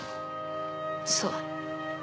そう。